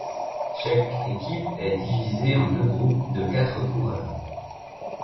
Chaque équipe est divisée en deux groupes de quatre coureurs.